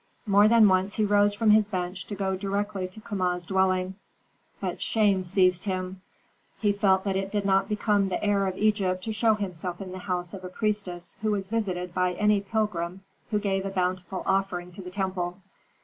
More than once he rose from his bench to go directly to Kama's dwelling, but shame seized him. He felt that it did not become the heir of Egypt to show himself in the house of a priestess who was visited by any pilgrim who gave a bountiful offering to the temple.